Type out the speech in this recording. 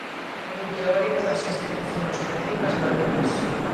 Foi un teórico das institucións xurídicas galegas.